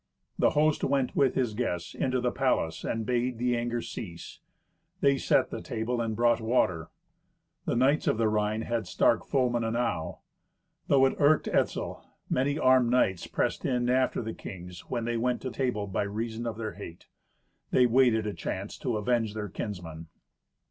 The host went with his guests into the palace, and bade the anger cease. They set the table, and brought water. The knights of the Rhine had stark foemen enow. Though it irked Etzel, many armed knights pressed in after the kings, when they went to table, by reason of their hate. They waited a chance to avenge their kinsman.